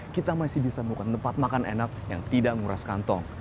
kita masih bisa memiliki tempat makan enak yang tidak murah sekantong